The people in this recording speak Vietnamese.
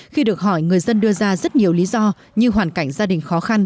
khi được hỏi người dân đưa ra rất nhiều lý do như hoàn cảnh gia đình khó khăn